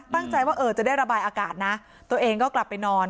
ตั้งใจว่าเออจะได้ระบายอากาศนะตัวเองก็กลับไปนอน